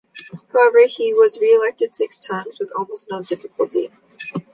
However, he was reelected six times with almost no difficulty.